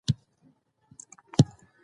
که میندې قرباني ورکړي نو هیواد به نه غلامیږي.